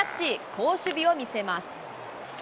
好守備を見せます。